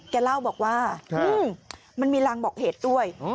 แกเล่าบอกว่ามันมีรางบอกเหตุด้วย